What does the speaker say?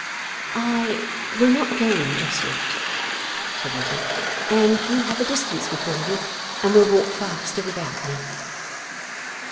'I will not go in just yet,' said Lizzie. 'And you have a distance before you, and will walk faster without me.